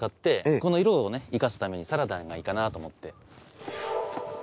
この色を生かすためにサラダがいいかなと思って。